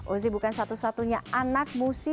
ozi bukan satu satunya anak muda